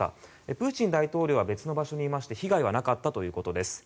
プーチン大統領は別の場所にいまして被害はなかったということです。